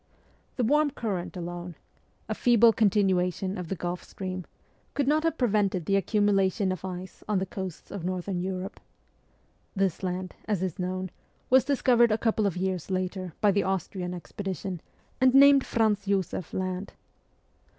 The warm current alone a feeble continuation of the Gulf Stream could not have prevented the accumulation of ice on the coasts of Northern Europe. This land, as is known, was discovered a couple of years later by the Austrian expedition, and named Franz Josef Land.